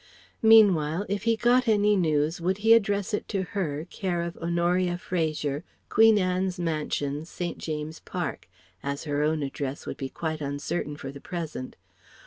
Meanwhile if he got any news would he address it to her, care of Honoria Fraser, Queen Anne's Mansions, St. James's Park; as her own address would be quite uncertain for the present.